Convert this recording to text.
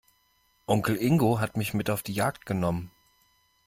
Onkel Ingo hat mich mit auf die Jagd genommen.